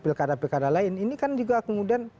pilkada pilkada lain ini kan juga kemudian